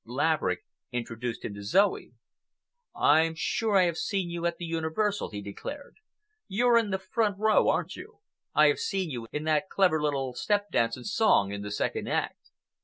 Laverick introduced him to Zoe. "I am sure I have seen you at the Universal," he declared. "You're in the front row, aren't you? I have seen you in that clever little step dance and song in the second act."